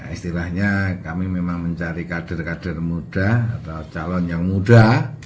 istilahnya kami memang mencari kader kader muda atau calon yang muda